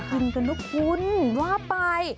เอากินกันนะคุณ